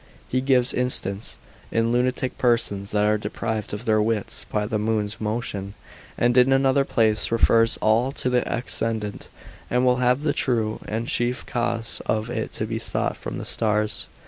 He gives instance in lunatic persons, that are deprived of their wits by the moon's motion; and in another place refers all to the ascendant, and will have the true and chief cause of it to be sought from the stars.